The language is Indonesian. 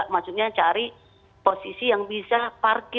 maksudnya cari posisi yang bisa parkir